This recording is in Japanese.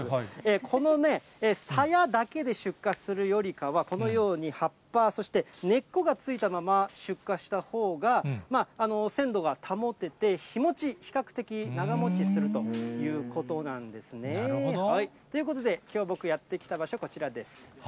このさやだけで出荷するよりかは、このように葉っぱ、そして根っこが付いたまま出荷したほうが鮮度が保てて、日もち、比較的、長もちするということなんですね。ということで、きょう、僕やって来た場所、こちらです。